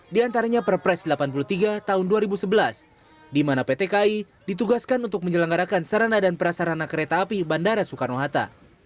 diantaranya perpres delapan puluh tiga tahun dua ribu sebelas di mana pt kai ditugaskan untuk menjelanggarakan serana dan perasarana kereta api bandara soekarno hatta